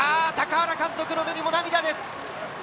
高原監督の目にも涙です。